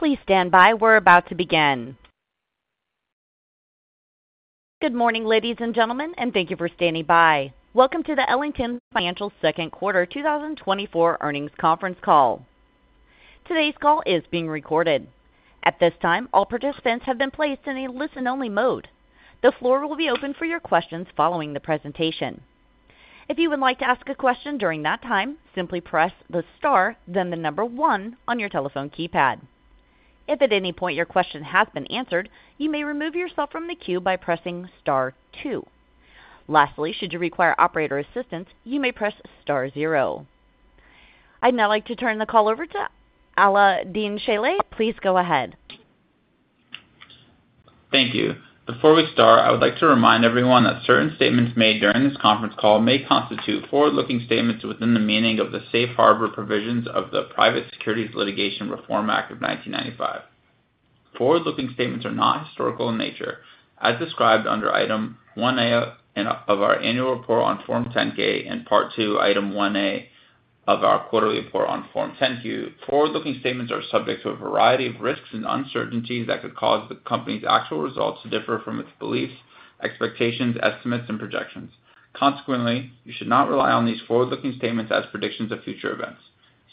Please stand by. We're about to begin. Good morning, ladies and gentlemen, and thank you for standing by. Welcome to the Ellington Financial second quarter 2024 earnings conference call. Today's call is being recorded. At this time, all participants have been placed in a listen-only mode. The floor will be open for your questions following the presentation. If you would like to ask a question during that time, simply press the star, then the number one on your telephone keypad. If at any point your question has been answered, you may remove yourself from the queue by pressing star two. Lastly, should you require operator assistance, you may press star zero. I'd now like to turn the call over to Alaa Shalaby. Please go ahead. Thank you. Before we start, I would like to remind everyone that certain statements made during this conference call may constitute forward-looking statements within the meaning of the safe harbor provisions of the Private Securities Litigation Reform Act of 1995. Forward-looking statements are not historical in nature, as described under Item 1A of our Annual Report on Form 10-K and Part II, Item 1A of our Quarterly Report on Form 10-Q. Forward-looking statements are subject to a variety of risks and uncertainties that could cause the company's actual results to differ from its beliefs, expectations, estimates, and projections. Consequently, you should not rely on these forward-looking statements as predictions of future events.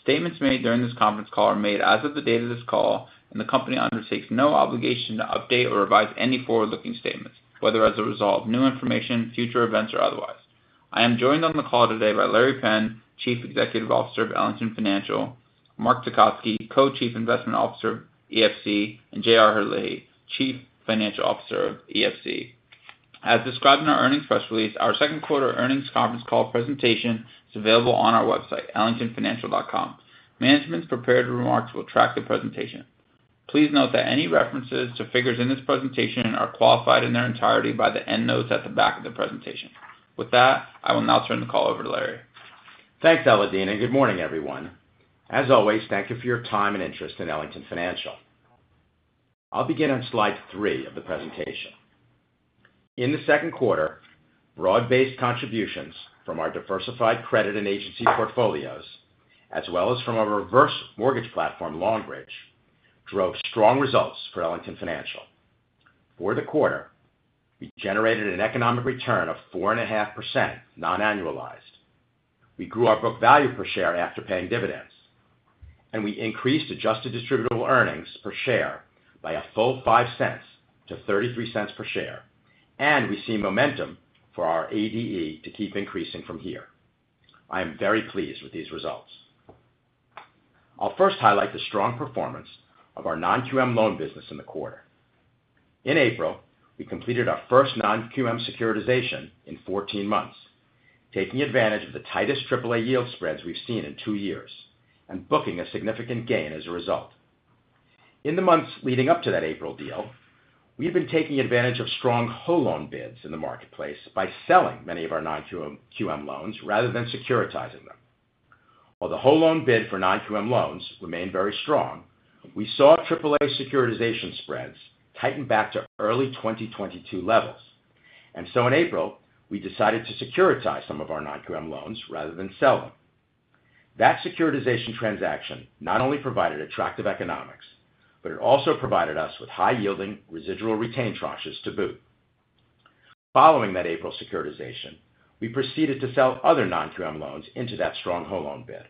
Statements made during this conference call are made as of the date of this call, and the company undertakes no obligation to update or revise any forward-looking statements, whether as a result of new information, future events, or otherwise. I am joined on the call today by Larry Penn, Chief Executive Officer of Ellington Financial, Mark Tecotzky, Co-Chief Investment Officer, EFC, and J.R. Herlihy, Chief Financial Officer of EFC. As described in our earnings press release, our second quarter earnings conference call presentation is available on our website, ellingtonfinancial.com. Management's prepared remarks will track the presentation. Please note that any references to figures in this presentation are qualified in their entirety by the endnotes at the back of the presentation. With that, I will now turn the call over to Larry. Thanks, Alaa, and good morning, everyone. As always, thank you for your time and interest in Ellington Financial. I'll begin on slide 3 of the presentation. In the second quarter, broad-based contributions from our diversified credit and Agency portfolios, as well as from our reverse mortgage platform, Longbridge, drove strong results for Ellington Financial. For the quarter, we generated an economic return of 4.5% non-annualized. We grew our book value per share after paying dividends, and we increased adjusted distributable earnings per share by a full $0.05 to $0.33 per share, and we see momentum for our EAD to keep increasing from here. I am very pleased with these results. I'll first highlight the strong performance of our non-QM loan business in the quarter. In April, we completed our first non-QM securitization in 14 months, taking advantage of the tightest AAA yield spreads we've seen in 2 years and booking a significant gain as a result. In the months leading up to that April deal, we have been taking advantage of strong whole loan bids in the marketplace by selling many of our non-QM, QM loans rather than securitizing them. While the whole loan bid for non-QM loans remained very strong, we saw AAA securitization spreads tighten back to early 2022 levels, and so in April, we decided to securitize some of our non-QM loans rather than sell them. That securitization transaction not only provided attractive economics, but it also provided us with high-yielding residual retained tranches to boot. Following that April securitization, we proceeded to sell other non-QM loans into that strong whole loan bid.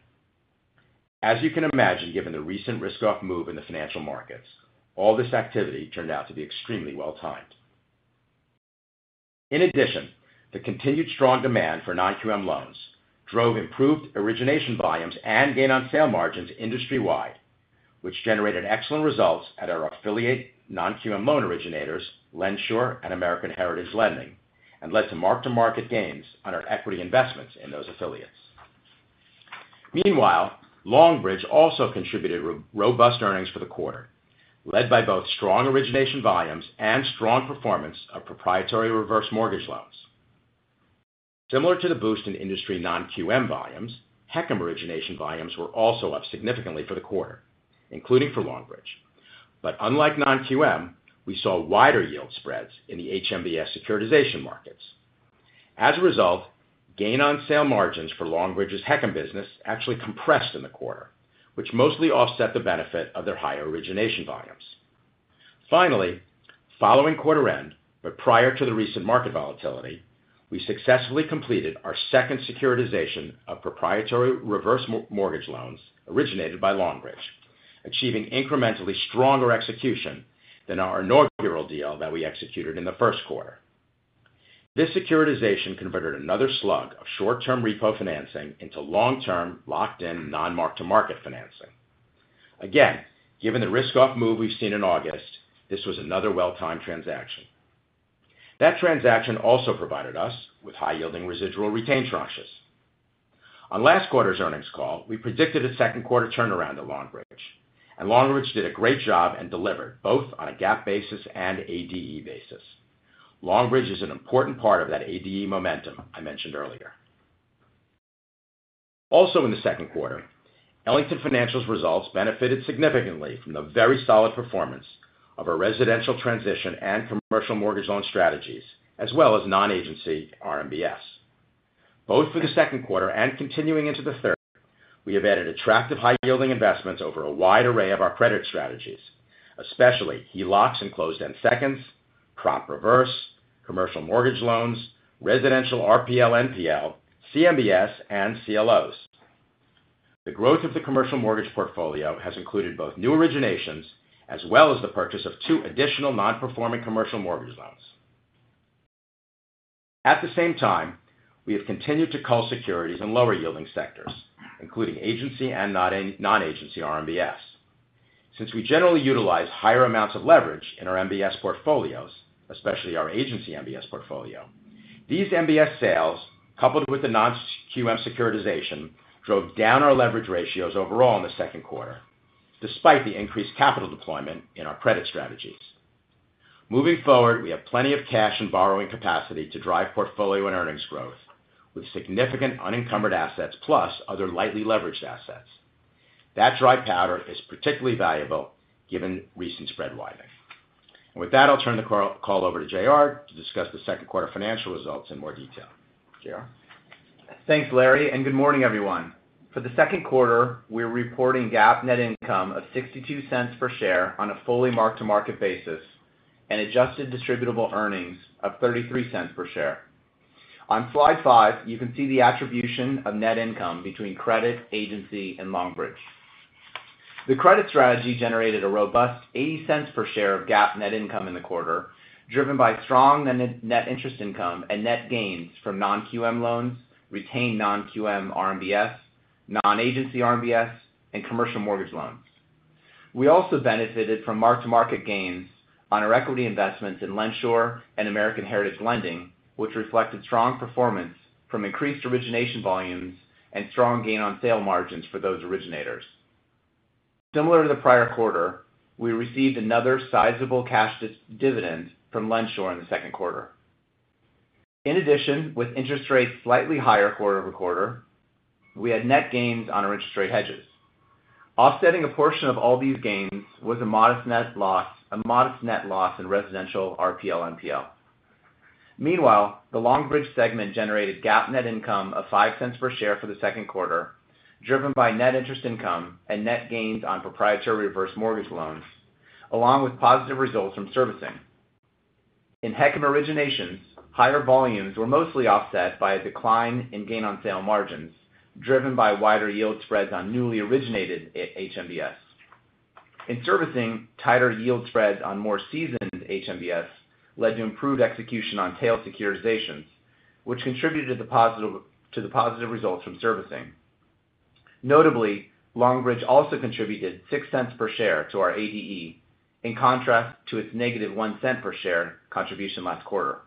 As you can imagine, given the recent risk-off move in the financial markets, all this activity turned out to be extremely well-timed. In addition, the continued strong demand for non-QM loans drove improved origination volumes and gain on sale margins industry-wide, which generated excellent results at our affiliate non-QM loan originators, LendSure and American Heritage Lending, and led to mark-to-market gains on our equity investments in those affiliates. Meanwhile, Longbridge also contributed robust earnings for the quarter, led by both strong origination volumes and strong performance of proprietary reverse mortgage loans. Similar to the boost in industry non-QM volumes, HECM origination volumes were also up significantly for the quarter, including for Longbridge. But unlike non-QM, we saw wider yield spreads in the HMBS securitization markets. As a result, gain on sale margins for Longbridge's HECM business actually compressed in the quarter, which mostly offset the benefit of their higher origination volumes. Finally, following quarter end, but prior to the recent market volatility, we successfully completed our second securitization of proprietary reverse mortgage loans originated by Longbridge, achieving incrementally stronger execution than our inaugural deal that we executed in the first quarter. This securitization converted another slug of short-term repo financing into long-term, locked-in, non-mark-to-market financing. Again, given the risk-off move we've seen in August, this was another well-timed transaction. That transaction also provided us with high-yielding residual retained tranches. On last quarter's earnings call, we predicted a second quarter turnaround at Longbridge, and Longbridge did a great job and delivered both on a GAAP basis and ADE basis. Longbridge is an important part of that ADE momentum I mentioned earlier. Also in the second quarter, Ellington Financial's results benefited significantly from the very solid performance of our residential transition and commercial mortgage loan strategies, as well as Non-Agency RMBS. Both for the second quarter and continuing into the third, we have added attractive high-yielding investments over a wide array of our credit strategies, especially HELOCs and closed-end seconds, prop reverse, commercial mortgage loans, residential RPL/NPL, CMBS, and CLOs. The growth of the commercial mortgage portfolio has included both new originations as well as the purchase of two additional non-performing commercial mortgage loans. At the same time, we have continued to call securities in lower-yielding sectors, including Agency and Non-Agency RMBS. Since we generally utilize higher amounts of leverage in our MBS portfolios, especially our Agency MBS portfolio, these MBS sales, coupled with the non-QM securitization, drove down our leverage ratios overall in the second quarter, despite the increased capital deployment in our credit strategies. Moving forward, we have plenty of cash and borrowing capacity to drive portfolio and earnings growth, with significant unencumbered assets plus other lightly leveraged assets. That dry powder is particularly valuable given recent spread widening. And with that, I'll turn the call over to J.R. to discuss the second quarter financial results in more detail. J.R.? Thanks, Larry, and good morning, everyone. For the second quarter, we're reporting GAAP net income of $0.62 per share on a fully mark-to-market basis and adjusted distributable earnings of $0.33 per share. On slide 5, you can see the attribution of net income between credit, agency, and Longbridge. The credit strategy generated a robust $0.80 per share of GAAP net income in the quarter, driven by strong net, net interest income and net gains from non-QM loans, retained non-QM RMBS, non-agency RMBS, and commercial mortgage loans. We also benefited from mark-to-market gains on our equity investments in LendSure and American Heritage Lending, which reflected strong performance from increased origination volumes and strong gain on sale margins for those originators. Similar to the prior quarter, we received another sizable cash dividend from LendSure in the second quarter. In addition, with interest rates slightly higher quarter over quarter, we had net gains on our interest rate hedges. Offsetting a portion of all these gains was a modest net loss, a modest net loss in residential RPL/NPL. Meanwhile, the Longbridge segment generated GAAP net income of $0.05 per share for the second quarter, driven by net interest income and net gains on proprietary reverse mortgage loans, along with positive results from servicing. In HECM originations, higher volumes were mostly offset by a decline in gain on sale margins, driven by wider yield spreads on newly originated HMBS. In servicing, tighter yield spreads on more seasoned HMBS led to improved execution on tail securitizations, which contributed to the positive, to the positive results from servicing. Notably, Longbridge also contributed $0.06 per share to our ADE, in contrast to its negative $0.01 per share contribution last quarter.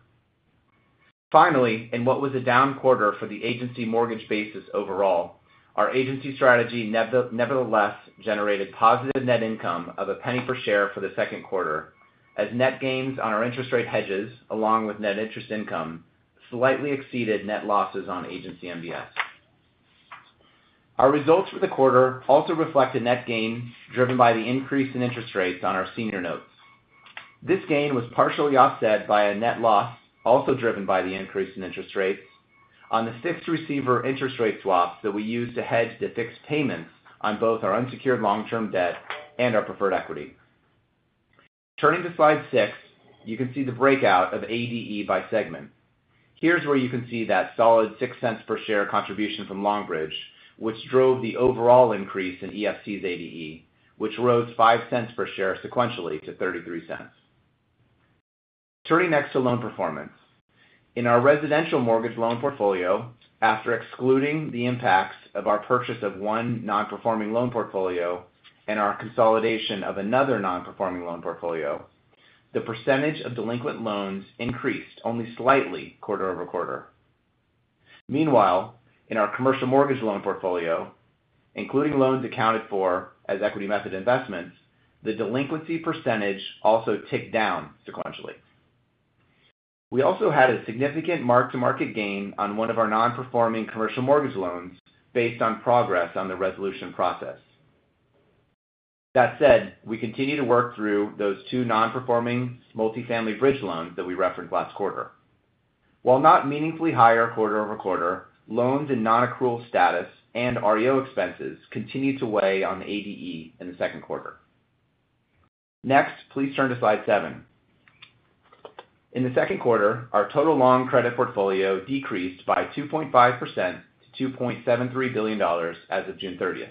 Finally, in what was a down quarter for the agency mortgage basis overall, our Agency strategy nevertheless generated positive net income of $0.01 per share for the second quarter, as net gains on our interest rate hedges, along with net interest income, slightly exceeded net losses on agency MBS. Our results for the quarter also reflect a net gain driven by the increase in interest rates on our senior notes. This gain was partially offset by a net loss, also driven by the increase in interest rates, on the fixed receiver interest rate swaps that we used to hedge the fixed payments on both our unsecured long-term debt and our preferred equity. Turning to slide 6, you can see the breakdown of ADE by segment. Here's where you can see that solid $0.06 per share contribution from Longbridge, which drove the overall increase in EFC's ADE, which rose $0.05 per share sequentially to $0.33. Turning next to loan performance. In our residential mortgage loan portfolio, after excluding the impacts of our purchase of one non-performing loan portfolio and our consolidation of another non-performing loan portfolio, the percentage of delinquent loans increased only slightly quarter-over-quarter. Meanwhile, in our commercial mortgage loan portfolio, including loans accounted for as equity method investments, the delinquency percentage also ticked down sequentially. We also had a significant mark-to-market gain on one of our non-performing commercial mortgage loans based on progress on the resolution process. That said, we continue to work through those two non-performing multifamily bridge loans that we referenced last quarter. While not meaningfully higher quarter-over-quarter, loans in non-accrual status and REO expenses continued to weigh on the ADE in the second quarter. Next, please turn to slide 7. In the second quarter, our total long credit portfolio decreased by 2.5% to $2.73 billion as of June 30.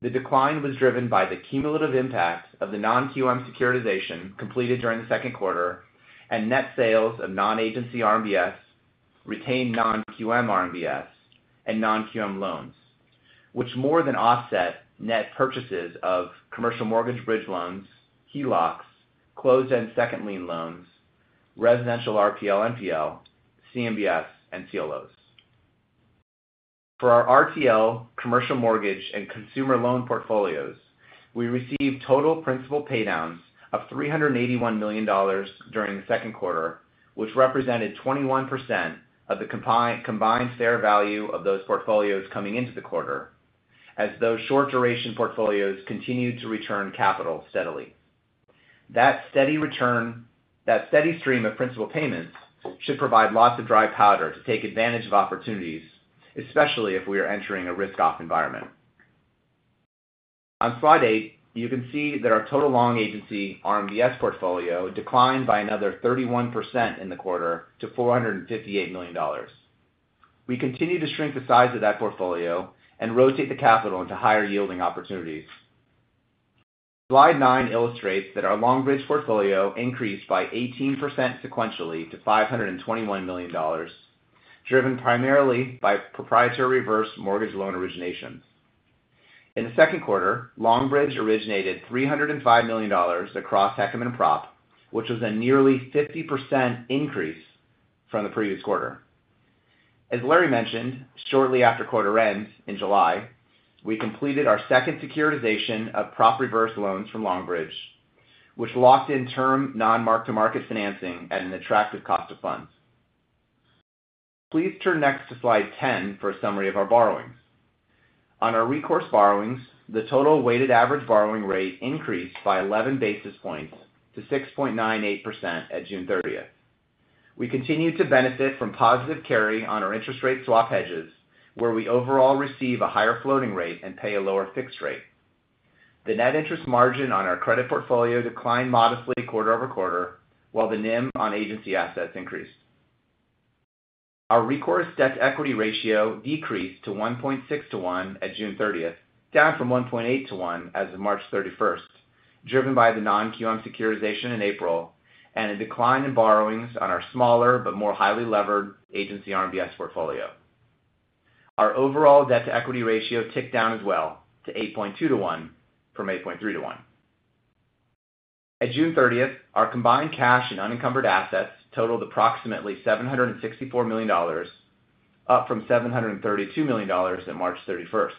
The decline was driven by the cumulative impact of the non-QM securitization completed during the second quarter and net sales of non-agency RMBS, retained non-QM RMBS, and non-QM loans, which more than offset net purchases of commercial mortgage bridge loans, HELOCs, closed-end second lien loans, residential RPL/NPL, CMBS, and CLOs. For our RTL commercial mortgage and consumer loan portfolios, we received total principal paydowns of $381 million during the second quarter, which represented 21% of the combined fair value of those portfolios coming into the quarter, as those short-duration portfolios continued to return capital steadily. That steady return, that steady stream of principal payments should provide lots of dry powder to take advantage of opportunities, especially if we are entering a risk-off environment. On slide 8, you can see that our total long agency RMBS portfolio declined by another 31% in the quarter to $458 million. We continue to shrink the size of that portfolio and rotate the capital into higher yielding opportunities. Slide 9 illustrates that our Longbridge portfolio increased by 18% sequentially to $521 million, driven primarily by proprietary reverse mortgage loan originations. In the second quarter, Longbridge originated $305 million across HECM and proprietary, which was a nearly 50% increase from the previous quarter. As Larry mentioned, shortly after quarter end, in July, we completed our second securitization of proprietary reverse loans from Longbridge, which locked in term non-mark-to-market financing at an attractive cost of funds. Please turn next to slide 10 for a summary of our borrowings. On our recourse borrowings, the total weighted average borrowing rate increased by 11 basis points to 6.98% at June 30. We continue to benefit from positive carry on our interest rate swap hedges, where we overall receive a higher floating rate and pay a lower fixed rate. The net interest margin on our credit portfolio declined modestly quarter-over-quarter, while the NIM on Agency assets increased. Our recourse debt-to-equity ratio decreased to 1.6 to 1 at June 30th, down from 1.8 to 1 as of March 31st, driven by the non-QM securitization in April and a decline in borrowings on our smaller but more highly levered agency RMBS portfolio. Our overall debt-to-equity ratio ticked down as well to 8.2 to 1 from 8.3 to 1. At June 30th, our combined cash and unencumbered assets totaled approximately $764 million, up from $732 million at March 31st.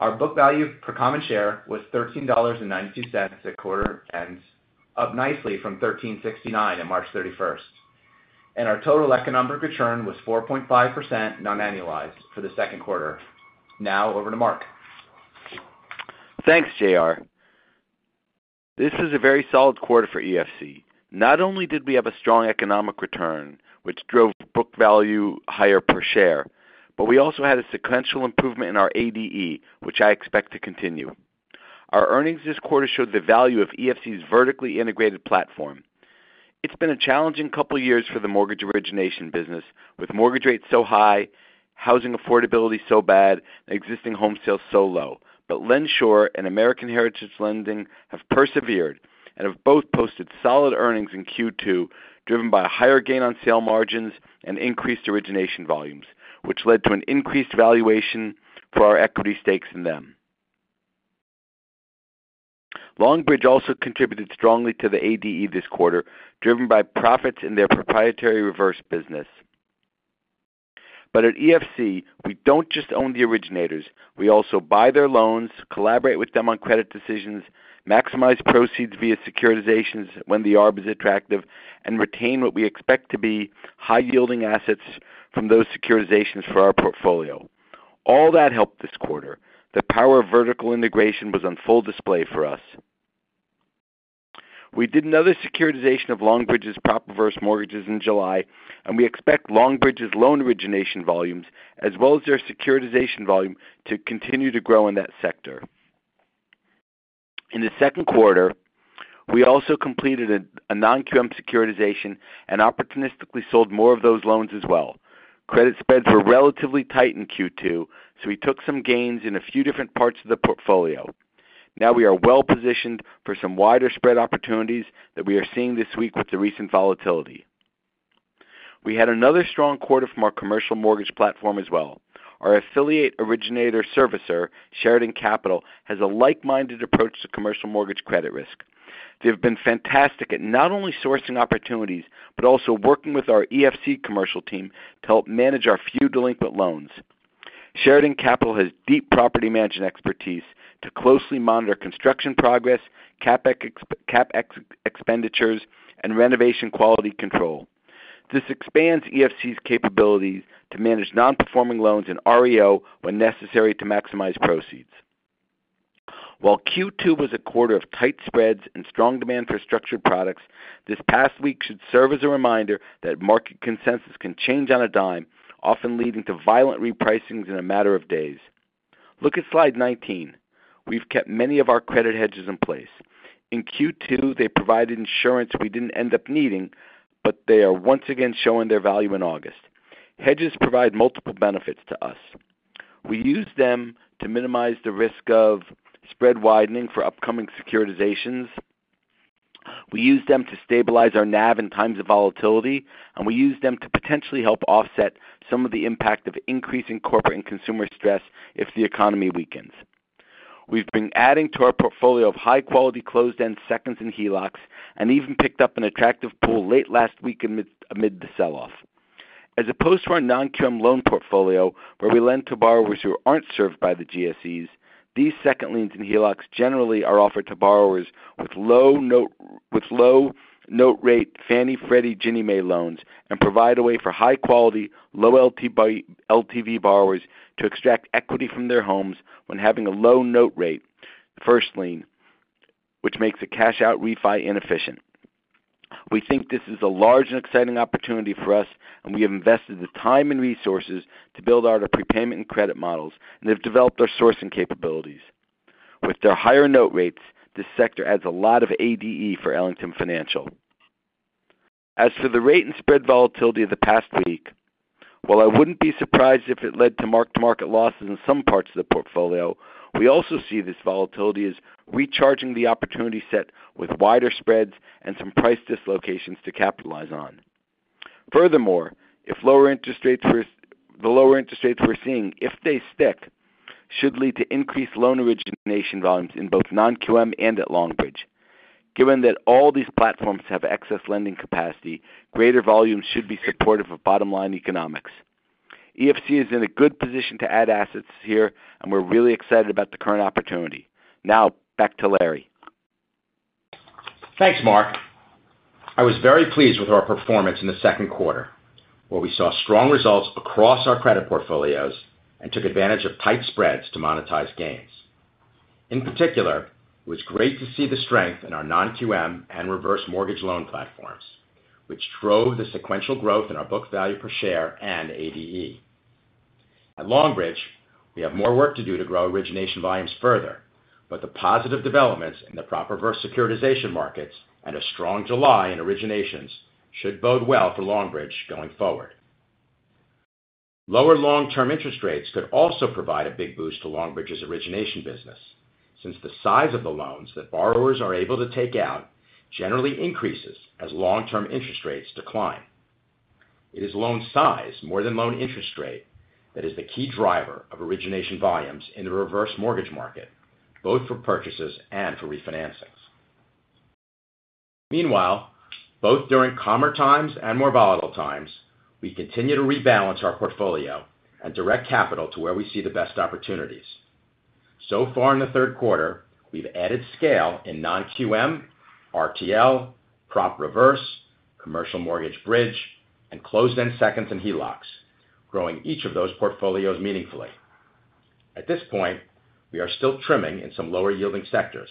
Our book value per common share was $13.92 at quarter end, up nicely from $13.69 at March 31, and our total economic return was 4.5% non-annualized for the second quarter. Now over to Mark. Thanks, J.R. This is a very solid quarter for EFC. Not only did we have a strong economic return, which drove book value higher per share, but we also had a sequential improvement in our ADE, which I expect to continue. Our earnings this quarter showed the value of EFC's vertically integrated platform. It's been a challenging couple of years for the mortgage origination business, with mortgage rates so high, housing affordability so bad, and existing home sales so low. But LendSure and American Heritage Lending have persevered and have both posted solid earnings in Q2, driven by a higher gain on sale margins and increased origination volumes, which led to an increased valuation for our equity stakes in them. Longbridge also contributed strongly to the ADE this quarter, driven by profits in their proprietary reverse business. But at EFC, we don't just own the originators. We also buy their loans, collaborate with them on credit decisions, maximize proceeds via securitizations when the arb is attractive, and retain what we expect to be high-yielding assets from those securitizations for our portfolio. All that helped this quarter. The power of vertical integration was on full display for us. We did another securitization of Longbridge's prop reverse mortgages in July, and we expect Longbridge's loan origination volumes, as well as their securitization volume, to continue to grow in that sector. In the second quarter, we also completed a non-QM securitization and opportunistically sold more of those loans as well. Credit spreads were relatively tight in Q2, so we took some gains in a few different parts of the portfolio. Now we are well-positioned for some wider spread opportunities that we are seeing this week with the recent volatility. We had another strong quarter from our commercial mortgage platform as well. Our affiliate originator servicer, Sharestates, has a like-minded approach to commercial mortgage credit risk. They have been fantastic at not only sourcing opportunities, but also working with our EFC commercial team to help manage our few delinquent loans. Sharestates has deep property management expertise to closely monitor construction progress, CapEx, CapEx expenditures, and renovation quality control. This expands EFC's capabilities to manage non-performing loans in REO when necessary to maximize proceeds. While Q2 was a quarter of tight spreads and strong demand for structured products, this past week should serve as a reminder that market consensus can change on a dime, often leading to violent repricings in a matter of days. Look at slide 19. We've kept many of our credit hedges in place. In Q2, they provided insurance we didn't end up needing, but they are once again showing their value in August. Hedges provide multiple benefits to us. We use them to minimize the risk of spread widening for upcoming securitizations. We use them to stabilize our NAV in times of volatility, and we use them to potentially help offset some of the impact of increasing corporate and consumer stress if the economy weakens. We've been adding to our portfolio of high-quality closed-end seconds in HELOCs and even picked up an attractive pool late last week amid the sell-off. As opposed to our non-QM loan portfolio, where we lend to borrowers who aren't served by the GSEs, these second liens in HELOCs generally are offered to borrowers with low note rate Fannie, Freddie, Ginnie Mae loans, and provide a way for high quality, low LTV borrowers to extract equity from their homes when having a low note rate, first lien, which makes a cash out refi inefficient. We think this is a large and exciting opportunity for us, and we have invested the time and resources to build out our prepayment and credit models, and they've developed our sourcing capabilities. With their higher note rates, this sector adds a lot of ADE for Ellington Financial. As for the rate and spread volatility of the past week, while I wouldn't be surprised if it led to mark-to-market losses in some parts of the portfolio, we also see this volatility as recharging the opportunity set with wider spreads and some price dislocations to capitalize on. Furthermore, if the lower interest rates we're seeing, if they stick, should lead to increased loan origination volumes in both non-QM and at Longbridge. Given that all these platforms have excess lending capacity, greater volumes should be supportive of bottom-line economics. EFC is in a good position to add assets here, and we're really excited about the current opportunity. Now, back to Larry. Thanks, Mark. I was very pleased with our performance in the second quarter, where we saw strong results across our credit portfolios and took advantage of tight spreads to monetize gains. In particular, it was great to see the strength in our non-QM and reverse mortgage loan platforms, which drove the sequential growth in our book value per share and ADE. At Longbridge, we have more work to do to grow origination volumes further, but the positive developments in the proprietary reverse securitization markets and a strong July in originations should bode well for Longbridge going forward. Lower long-term interest rates could also provide a big boost to Longbridge's origination business, since the size of the loans that borrowers are able to take out generally increases as long-term interest rates decline. It is loan size, more than loan interest rate, that is the key driver of origination volumes in the reverse mortgage market, both for purchases and for refinancings. Meanwhile, both during calmer times and more volatile times, we continue to rebalance our portfolio and direct capital to where we see the best opportunities. So far in the third quarter, we've added scale in non-QM, RTL, prop reverse, commercial mortgage bridge, and closed-end seconds and HELOCs, growing each of those portfolios meaningfully. At this point, we are still trimming in some lower-yielding sectors,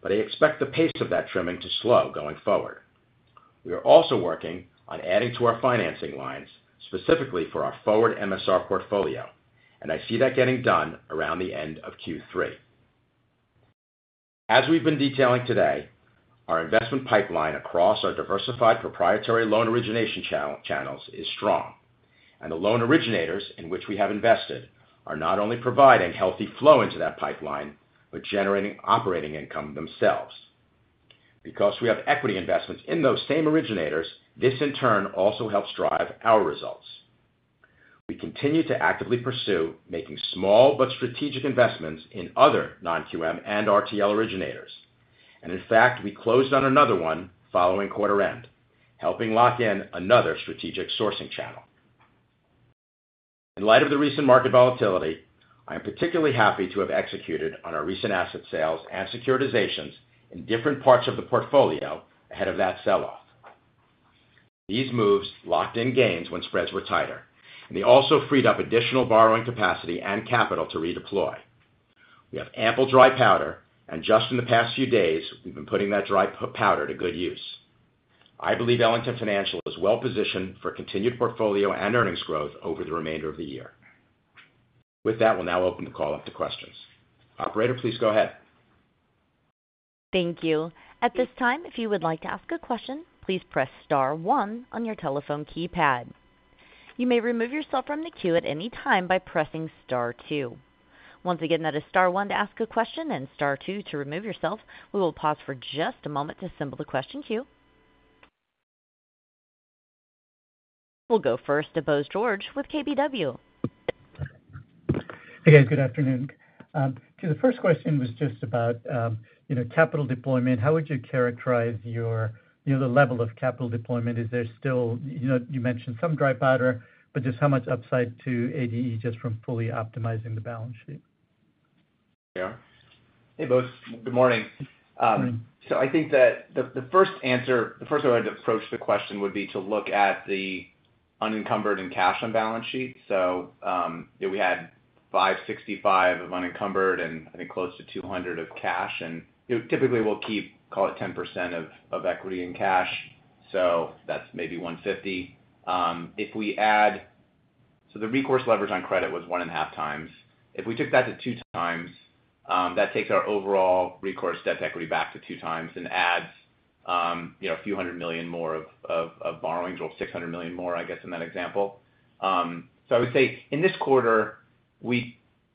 but I expect the pace of that trimming to slow going forward. We are also working on adding to our financing lines, specifically for our forward MSR portfolio, and I see that getting done around the end of Q3. As we've been detailing today, our investment pipeline across our diversified proprietary loan origination channels is strong, and the loan originators in which we have invested are not only providing healthy flow into that pipeline, but generating operating income themselves. Because we have equity investments in those same originators, this, in turn, also helps drive our results. We continue to actively pursue making small but strategic investments in other non-QM and RTL originators, and in fact, we closed on another one following quarter end, helping lock in another strategic sourcing channel. In light of the recent market volatility, I am particularly happy to have executed on our recent asset sales and securitizations in different parts of the portfolio ahead of that sell-off. These moves locked in gains when spreads were tighter, and they also freed up additional borrowing capacity and capital to redeploy. We have ample dry powder, and just in the past few days, we've been putting that dry powder to good use. I believe Ellington Financial is well positioned for continued portfolio and earnings growth over the remainder of the year. With that, we'll now open the call up to questions. Operator, please go ahead. Thank you. At this time, if you would like to ask a question, please press star one on your telephone keypad. You may remove yourself from the queue at any time by pressing star two. Once again, that is star one to ask a question and star two to remove yourself. We will pause for just a moment to assemble the question queue. We'll go first to Bose George with KBW. Hey, guys, good afternoon. So the first question was just about, you know, capital deployment. How would you characterize your, you know, the level of capital deployment? Is there still... You know, you mentioned some dry powder, but just how much upside to ADE just from fully optimizing the balance sheet? Yeah. Hey, Bose, good morning. So I think that the first answer, the first way I'd approach the question would be to look at the unencumbered and cash on balance sheet. So, yeah, we had $565 million of unencumbered and I think close to $200 million of cash, and, you know, typically we'll keep, call it, 10% of equity in cash, so that's maybe $150 million. If we add—so the recourse leverage on credit was 1.5 times. If we took that to 2 times, that takes our overall recourse debt to equity back to 2 times and adds, you know, a few hundred million more of borrowings, or $600 million more, I guess, in that example. So I would say in this quarter,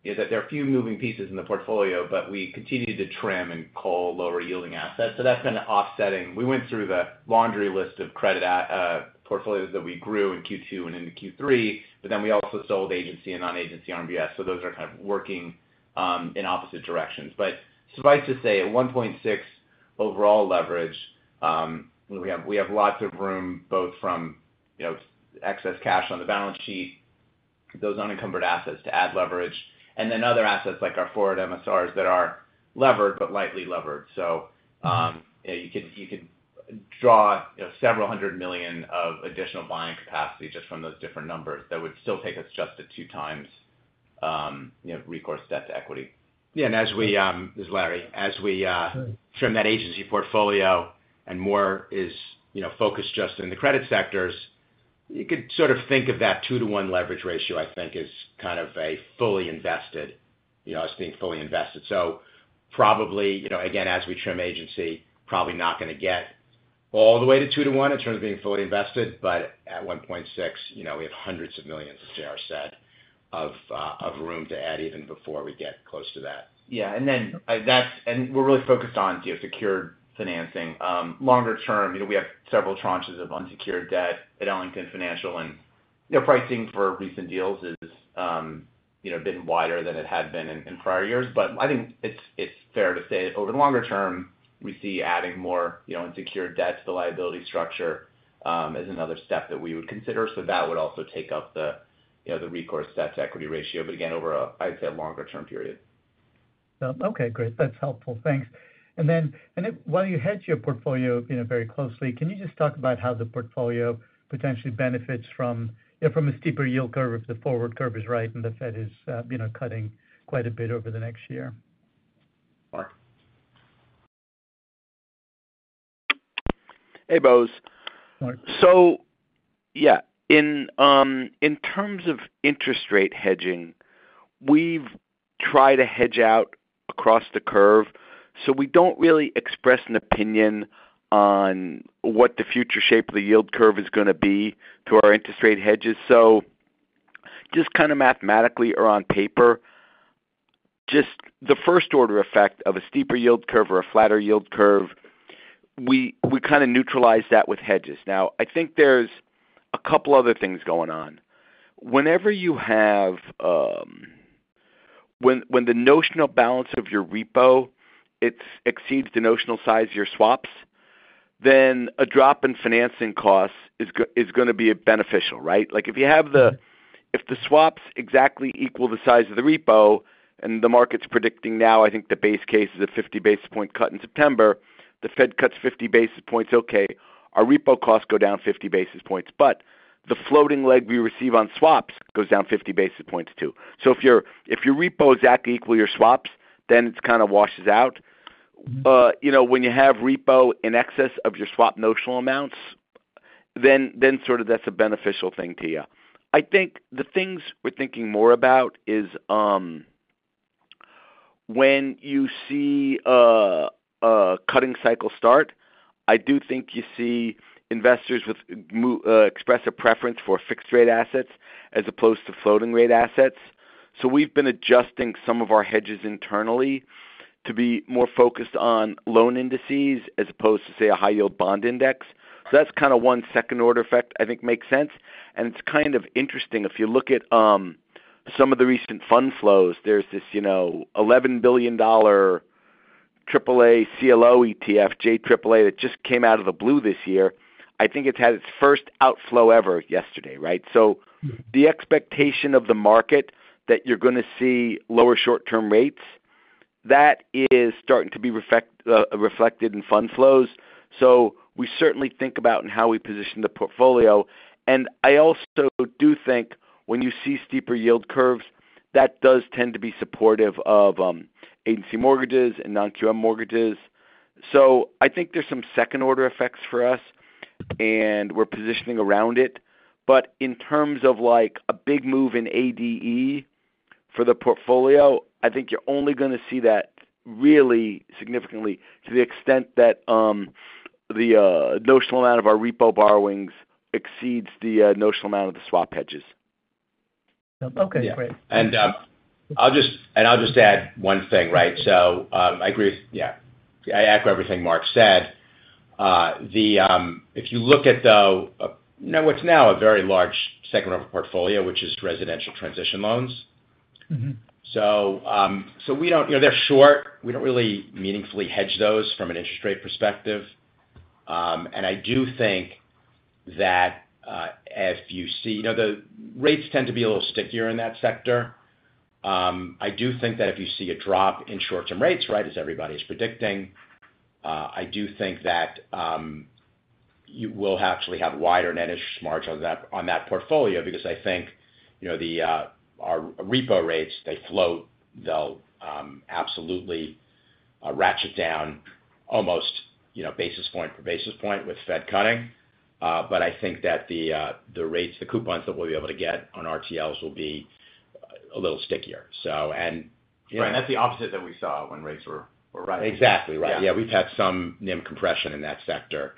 that there are a few moving pieces in the portfolio, but we continued to trim and call lower-yielding assets, so that's kind of offsetting. We went through the laundry list of credit at portfolios that we grew in Q2 and into Q3, but then we also sold agency and non-agency MBS, so those are kind of working in opposite directions. But suffice to say, at 1.6 overall leverage, we, we have, we have lots of room, both from, you know, excess cash on the balance sheet, those unencumbered assets to add leverage, and then other assets like our forward MSRs that are levered, but lightly levered. So, you know, you could, you could draw, you know, $several hundred million of additional buying capacity just from those different numbers. That would still take us just to 2x,... you know, recourse debt to equity. Yeah, and as we, this is Larry, as we, trim that agency portfolio and more is, you know, focused just in the credit sectors, you could sort of think of that 2-to-1 leverage ratio, I think, as kind of a fully invested, you know, as being fully invested. So probably, you know, again, as we trim agency, probably not gonna get all the way to 2 to 1 in terms of being fully invested, but at 1.6, you know, we have hundreds of millions of shares worth of room to add even before we get close to that. Yeah. And then, and we're really focused on, you know, secured financing. Longer term, you know, we have several tranches of unsecured debt at Ellington Financial, and, you know, pricing for recent deals is, you know, been wider than it had been in, in prior years. But I think it's, it's fair to say that over the longer term, we see adding more, you know, unsecured debt to the liability structure, as another step that we would consider. So that would also take up the, you know, the recourse debt to equity ratio, but again, over a, I'd say, a longer-term period. Well, okay, great. That's helpful. Thanks. And then, while you hedge your portfolio, you know, very closely, can you just talk about how the portfolio potentially benefits from, you know, from a steeper yield curve, if the forward curve is right and the Fed is, you know, cutting quite a bit over the next year? Mark. Hey, Bose. Mark. So, yeah, in terms of interest rate hedging, we've tried to hedge out across the curve, so we don't really express an opinion on what the future shape of the yield curve is gonna be through our interest rate hedges. So just kind of mathematically or on paper, just the first order effect of a steeper yield curve or a flatter yield curve, we kind of neutralize that with hedges. Now, I think there's a couple other things going on. Whenever you have when the notional balance of your repo exceeds the notional size of your swaps, then a drop in financing costs is gonna be beneficial, right? Like, if the swaps exactly equal the size of the repo and the market's predicting now, I think the base case is a 50 basis point cut in September, the Fed cuts 50 basis points, okay, our repo costs go down 50 basis points. But the floating leg we receive on swaps goes down 50 basis points, too. So if your repo exactly equal your swaps, then it's kind of washes out. You know, when you have repo in excess of your swap notional amounts, then sort of that's a beneficial thing to you. I think the things we're thinking more about is, when you see a cutting cycle start, I do think you see investors express a preference for fixed rate assets as opposed to floating rate assets. So we've been adjusting some of our hedges internally to be more focused on loan indices, as opposed to, say, a high yield bond index. So that's kind of one second order effect, I think makes sense. And it's kind of interesting, if you look at some of the recent fund flows, there's this, you know, $11 billion AAA CLO ETF, JAAA, that just came out of the blue this year. I think it's had its first outflow ever yesterday, right? So the expectation of the market that you're gonna see lower short-term rates, that is starting to be reflected in fund flows. So we certainly think about in how we position the portfolio. And I also do think when you see steeper yield curves, that does tend to be supportive of agency mortgages and non-QM mortgages. So I think there's some second order effects for us, and we're positioning around it. But in terms of, like, a big move in ADE for the portfolio, I think you're only gonna see that really significantly to the extent that the notional amount of our repo borrowings exceeds the notional amount of the swap hedges. Okay, great. And I'll just add one thing, right? So, I agree with... Yeah, I echo everything Mark said. If you look at, though, you know, what's now a very large segment of our portfolio, which is residential transition loans. So, we don't—you know, they're short. We don't really meaningfully hedge those from an interest rate perspective. And I do think that, if you see—you know, the rates tend to be a little stickier in that sector. I do think that if you see a drop in short-term rates, right, as everybody is predicting, I do think that you will actually have wider net interest margin on that, on that portfolio because I think, you know, the, our repo rates, they float. They'll absolutely ratchet down almost, you know, basis point for basis point with Fed cutting. But I think that the, the rates, the coupons that we'll be able to get on RTLs will be a little stickier. So... And, you know—Right, that's the opposite that we saw when rates were rising. Exactly right. Yeah. Yeah, we've had some NIM compression in that sector,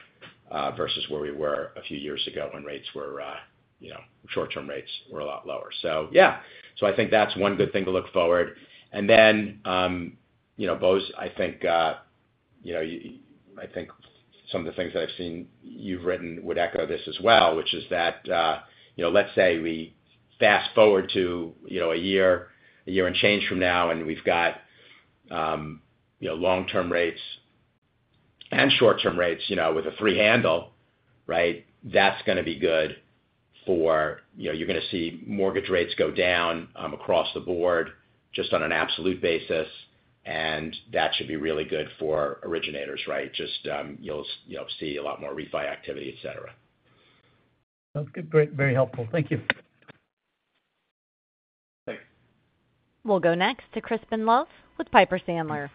versus where we were a few years ago when rates were, you know, short-term rates were a lot lower. So yeah. So I think that's one good thing to look forward. And then, you know, Bose, I think, you know, I think some of the things that I've seen you've written would echo this as well, which is that, you know, let's say we fast forward to, you know, a year, a year and change from now, and we've got, you know, long-term rates and short-term rates, you know, with a free handle, right? That's gonna be good for... You know, you're gonna see mortgage rates go down, across the board just on an absolute basis, and that should be really good for originators, right? Just, you'll, you know, see a lot more refi activity, et cetera. Sounds good. Great, very helpful. Thank you. Thanks. We'll go next to Crispin Love with Piper Sandler.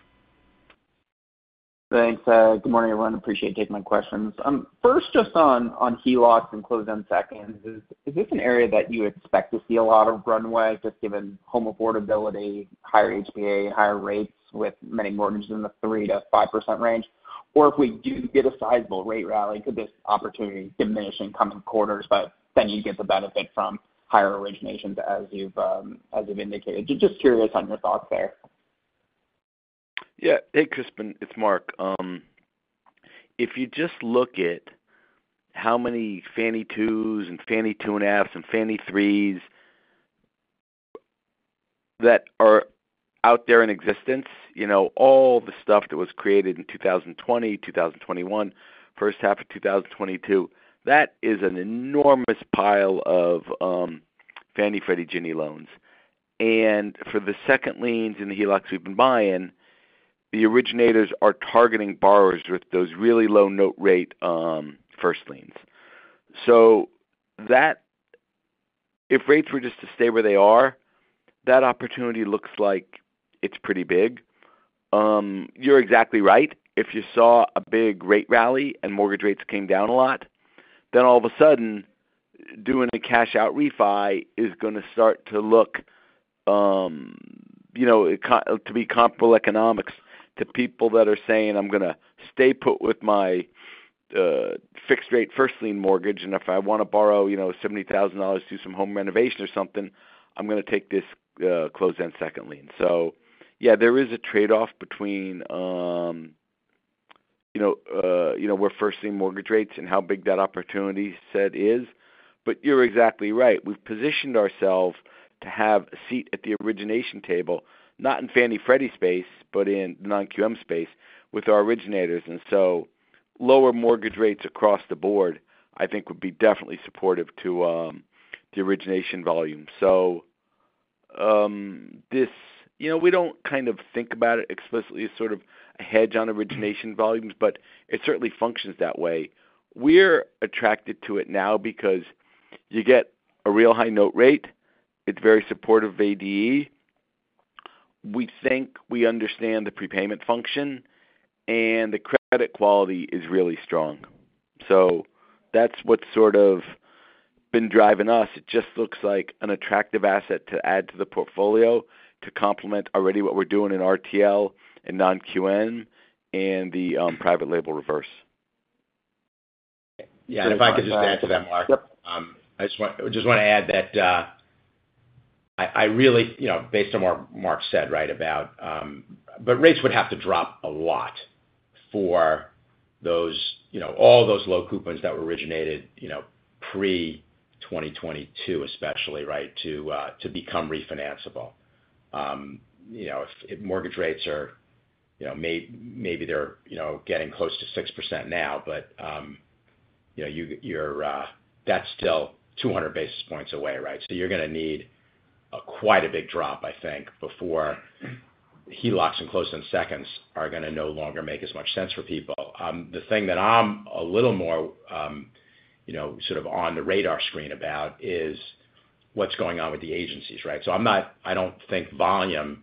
Thanks. Good morning, everyone. Appreciate you taking my questions. First, just on HELOCs and closed-end seconds, is this an area that you expect to see a lot of runway, just given home affordability, higher HPA, higher rates with many mortgages in the 3%-5% range? Or if we do get a sizable rate rally, could this opportunity diminish in coming quarters, but then you get the benefit from higher originations as you've indicated? Just curious on your thoughts there. Yeah. Hey, Crispin, it's Mark. If you just look at how many Fannie 2s and Fannie 2.5s and Fannie 3s that are out there in existence, you know, all the stuff that was created in 2020, 2021, first half of 2022, that is an enormous pile of Fannie, Freddie, Ginnie loans. And for the second liens in the HELOCs we've been buying, the originators are targeting borrowers with those really low note rate first liens. So that—if rates were just to stay where they are, that opportunity looks like it's pretty big. You're exactly right. If you saw a big rate rally and mortgage rates came down a lot, then all of a sudden, doing a cash-out refi is gonna start to look, you know, to be comparable economics to people that are saying, "I'm gonna stay put with my, fixed rate first lien mortgage, and if I want to borrow, you know, $70,000, do some home renovation or something, I'm gonna take this, closed-end second lien." So yeah, there is a trade-off between, you know, you know, where first lien mortgage rates and how big that opportunity set is. But you're exactly right. We've positioned ourselves to have a seat at the origination table, not in Fannie Freddie space, but in non-QM space with our originators. And so lower mortgage rates across the board, I think, would be definitely supportive to, the origination volume. So, this... You know, we don't kind of think about it explicitly as sort of a hedge on origination volumes, but it certainly functions that way. We're attracted to it now because you get a real high note rate, it's very supportive of ADE. We think we understand the prepayment function, and the credit quality is really strong. So that's what's sort of been driving us. It just looks like an attractive asset to add to the portfolio to complement already what we're doing in RTL and non-QM, and the, private label reverse. Yeah, and if I could just add to that, Mark. Yep. I just wanna add that, I really, you know, based on what Mark said, right, about... But rates would have to drop a lot for those, you know, all those low coupons that were originated, you know, pre-2022 especially, right, to become refinanceable. You know, if mortgage rates are, you know, maybe they're, you know, getting close to 6% now, but, you know, you're, that's still 200 basis points away, right? So you're gonna need quite a big drop, I think, before HELOCs and closed-end seconds are gonna no longer make as much sense for people. The thing that I'm a little more, you know, sort of on the radar screen about is what's going on with the agencies, right? So I don't think volume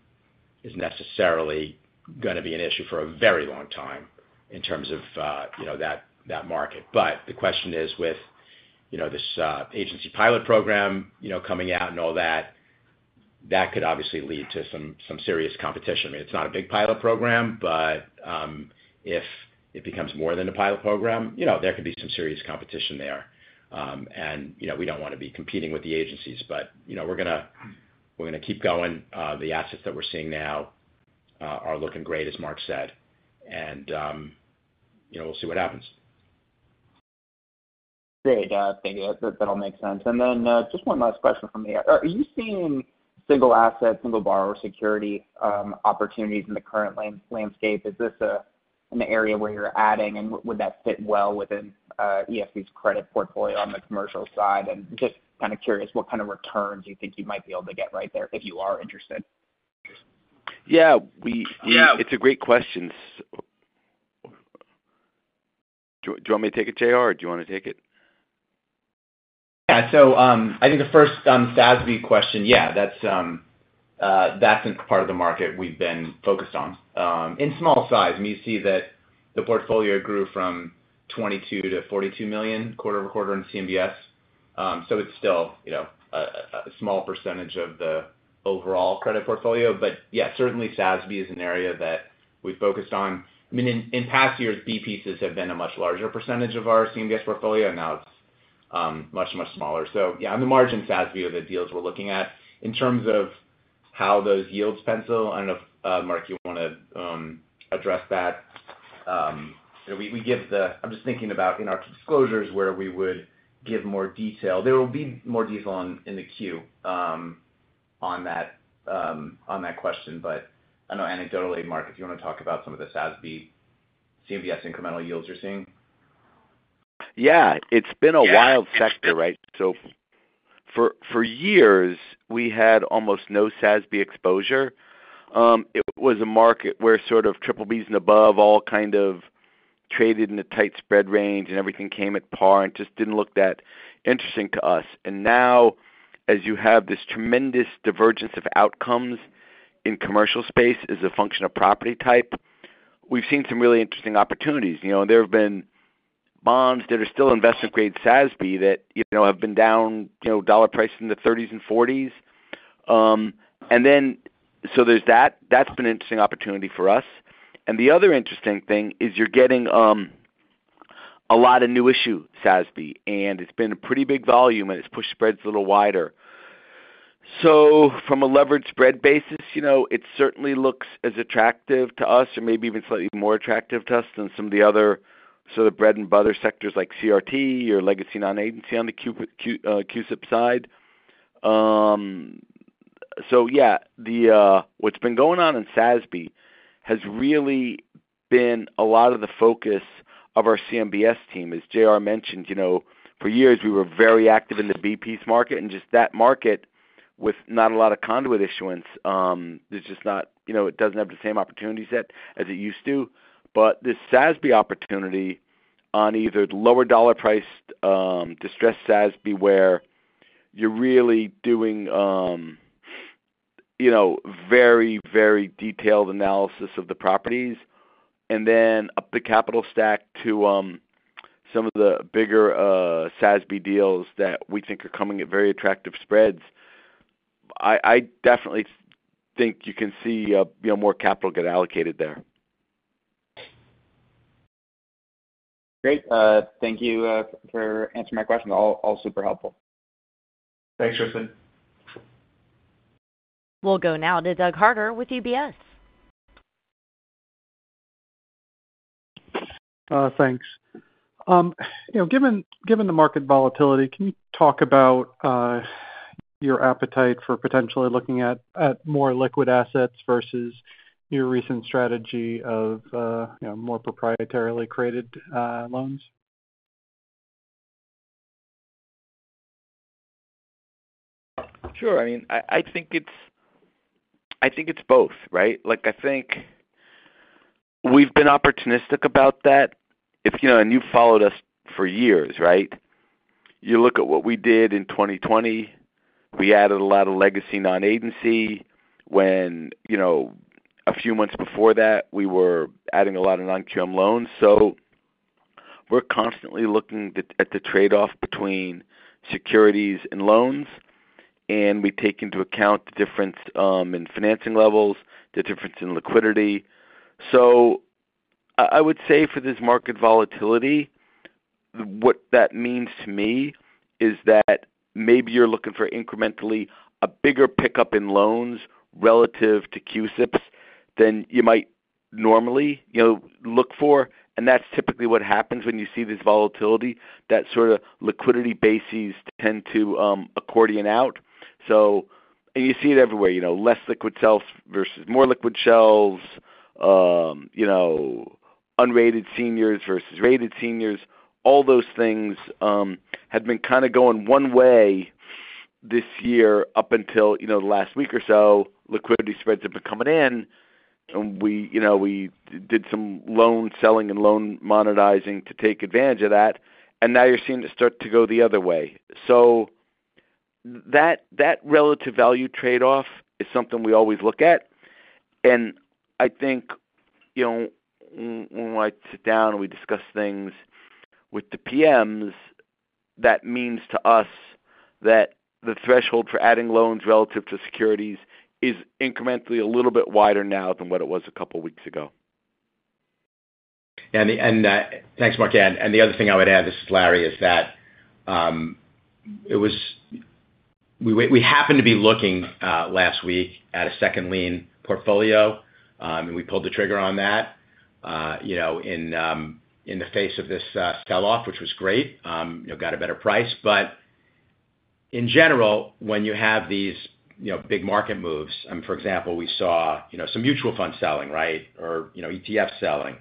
is necessarily gonna be an issue for a very long time in terms of, you know, that, that market. But the question is with, you know, this agency pilot program, you know, coming out and all that, that could obviously lead to some serious competition. I mean, it's not a big pilot program, but, if it becomes more than a pilot program, you know, there could be some serious competition there. And, you know, we don't wanna be competing with the agencies, but, you know, we're gonna, we're gonna keep going. The assets that we're seeing now are looking great, as Mark said, and, you know, we'll see what happens. Great. Thank you. That all makes sense. And then, just one last question from me. Are you seeing single asset, single borrower security opportunities in the current landscape? Is this an area where you're adding, and would that fit well within EFC's credit portfolio on the commercial side? And just kind of curious, what kind of returns you think you might be able to get right there, if you are interested? Yeah, we Yeah. It's a great question. Do you want me to take it, J.R., or do you want to take it? Yeah. So, I think the first SASB question, yeah, that's a part of the market we've been focused on, in small size. I mean, you see that the portfolio grew from $22 million-$42 million quarter-over-quarter in CMBS. So it's still, you know, a small percentage of the overall credit portfolio. But yeah, certainly SASB is an area that we've focused on. I mean, in past years, B-pieces have been a much larger percentage of our CMBS portfolio, and now it's much, much smaller. So yeah, on the margin, SASB are the deals we're looking at. In terms of how those yields pencil, I don't know if, Mark, you want to address that. You know, we give the. I'm just thinking about in our disclosures where we would give more detail. There will be more detail on, in the queue, on that question. But I know anecdotally, Mark, if you want to talk about some of the SASB CMBS incremental yields you're seeing. Yeah. It's been a wild sector, right? For years, we had almost no SASB exposure. It was a market where sort of triple Bs and above all kind of traded in a tight spread range, and everything came at par and just didn't look that interesting to us. And now, as you have this tremendous divergence of outcomes in commercial space as a function of property type, we've seen some really interesting opportunities. You know, there have been bonds that are still investment-grade SASB that, you know, have been down, you know, dollar price in the 30s and 40s. And then so there's that, that's been an interesting opportunity for us. And the other interesting thing is you're getting a lot of new issue SASB, and it's been a pretty big volume, and it's pushed spreads a little wider. So from a levered spread basis, you know, it certainly looks as attractive to us or maybe even slightly more attractive to us than some of the other sort of bread-and-butter sectors like CRT or legacy non-agency on the CUSIP side. What's been going on in SASB has really been a lot of the focus of our CMBS team. As J.R. mentioned, you know, for years, we were very active in the B-piece market, and just that market with not a lot of conduit issuance is just not, you know, it doesn't have the same opportunities that it used to. But this SASB opportunity on either the lower dollar price, distressed SASB, where you're really doing, you know, very, very detailed analysis of the properties, and then up the capital stack to, some of the bigger, SASB deals that we think are coming at very attractive spreads. I definitely think you can see, you know, more capital get allocated there. Great. Thank you for answering my questions. All, all super helpful. Thanks, Tristan. We'll go now to Doug Harter with UBS. Thanks. You know, given, given the market volatility, can you talk about your appetite for potentially looking at more liquid assets versus your recent strategy of, you know, more proprietarily created loans? Sure. I mean, I think it's both, right? Like, I think we've been opportunistic about that. If you know, and you followed us for years, right? You look at what we did in 2020, we added a lot of legacy non-agency when, you know, a few months before that, we were adding a lot of non-QM loans. So we're constantly looking at the trade-off between securities and loans, and we take into account the difference in financing levels, the difference in liquidity. So I would say for this market volatility, what that means to me is that maybe you're looking for incrementally a bigger pickup in loans relative to CUSIPs than you might normally, you know, look for. And that's typically what happens when you see this volatility, that sort of liquidity bases tend to accordion out. So you see it everywhere, you know, less liquid shelves versus more liquid shelves, you know, unrated seniors versus rated seniors. All those things had been kind of going one way this year up until, you know, the last week or so. Liquidity spreads have been coming in, and we, you know, we did some loan selling and loan monetizing to take advantage of that, and now you're seeing it start to go the other way. So that, that relative value trade-off is something we always look at. And I think, you know, when I sit down, and we discuss things with the PMs, that means to us that the threshold for adding loans relative to securities is incrementally a little bit wider now than what it was a couple of weeks ago. Thanks, Mark. The other thing I would add, this is Larry, is that it was we happened to be looking last week at a second lien portfolio, and we pulled the trigger on that, you know, in the face of this sell-off, which was great. You know, got a better price. But in general, when you have these, you know, big market moves, and for example, we saw, you know, some mutual fund selling, right, or, you know, ETF selling.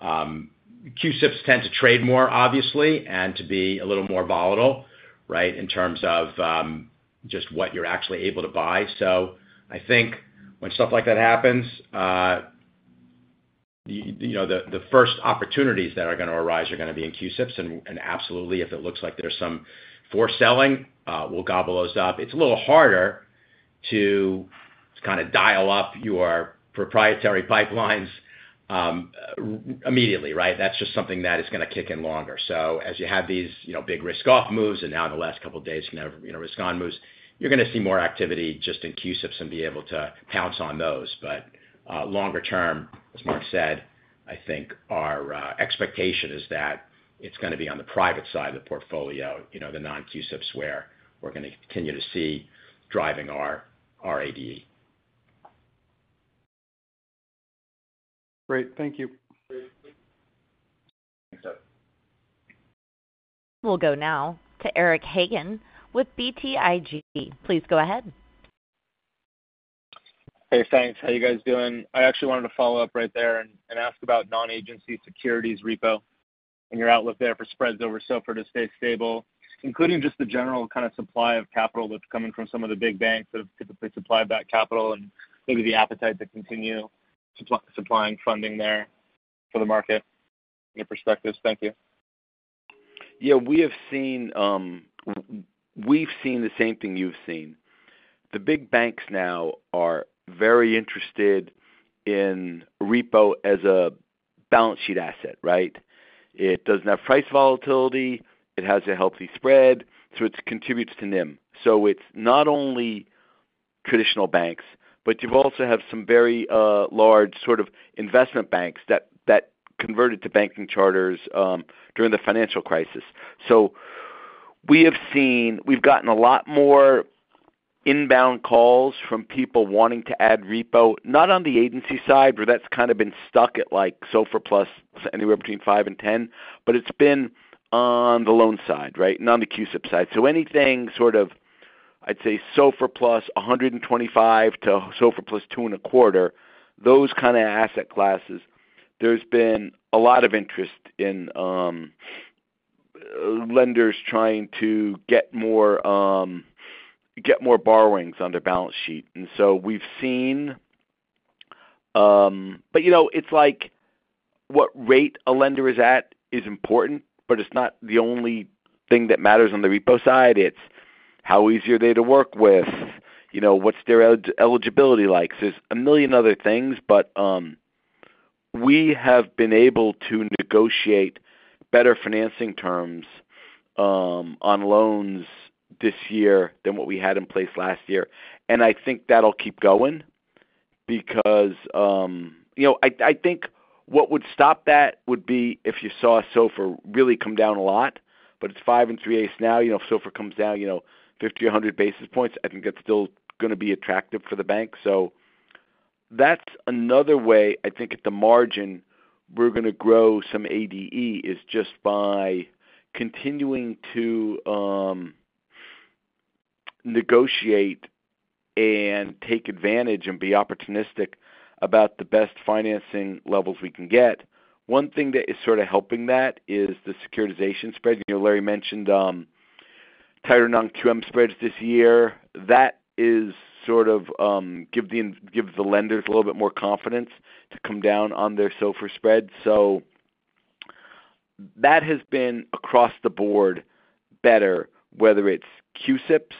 CUSIPs tend to trade more obviously and to be a little more volatile, right, in terms of just what you're actually able to buy. So I think when stuff like that happens, you know, the first opportunities that are gonna arise are gonna be in CUSIPs, and absolutely, if it looks like there's some forced selling, we'll gobble those up. It's a little harder to kind of dial up your proprietary pipelines immediately, right? That's just something that is gonna kick in longer. So as you have these, you know, big risk off moves, and now in the last couple of days, you know, risk on moves, you're gonna see more activity just in CUSIPs and be able to pounce on those. But longer term, as Mark said, I think our expectation is that it's gonna be on the private side of the portfolio, you know, the non-CUSIPs, where we're gonna continue to see driving our ADE. Great. Thank you. Thanks, Doug. We'll go now to Eric Hagan with BTIG. Please go ahead.... Hey, thanks. How you guys doing? I actually wanted to follow up right there and ask about non-agency securities repo and your outlook there for spreads over SOFR to stay stable, including just the general kind of supply of capital that's coming from some of the big banks that have typically supplied that capital, and maybe the appetite to continue supplying funding there for the market, your perspectives. Thank you. Yeah, we've seen the same thing you've seen. The big banks now are very interested in repo as a balance sheet asset, right? It doesn't have price volatility, it has a healthy spread, so it contributes to NIM. So it's not only traditional banks, but you also have some very large sort of investment banks that converted to banking charters during the financial crisis. So we've gotten a lot more inbound calls from people wanting to add repo, not on the agency side, where that's kind of been stuck at, like, SOFR plus anywhere between five and ten, but it's been on the loan side, right? Not on the CUSIP side. So anything sort of, I'd say, SOFR +125 to SOFR +2.25, those kind of asset classes, there's been a lot of interest in, lenders trying to get more, get more borrowings on their balance sheet. And so we've seen... But, you know, it's like, what rate a lender is at is important, but it's not the only thing that matters on the repo side. It's how easy are they to work with? You know, what's their eligibility like? There's a million other things, but, we have been able to negotiate better financing terms, on loans this year than what we had in place last year. I think that'll keep going because, you know, I, I think what would stop that would be if you saw SOFR really come down a lot, but it's 5 3/8 now. You know, if SOFR comes down, you know, 50 or 100 basis points, I think that's still gonna be attractive for the bank. So that's another way I think at the margin, we're gonna grow some ADE, is just by continuing to negotiate and take advantage and be opportunistic about the best financing levels we can get. One thing that is sort of helping that is the securitization spread. You know, Larry mentioned tighter non-QM spreads this year. That is sort of give the lenders a little bit more confidence to come down on their SOFR spread. So that has been across the board better, whether it's CUSIPs